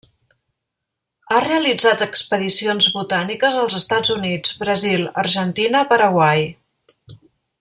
Ha realitzat expedicions botàniques als Estats Units, Brasil, Argentina, Paraguai.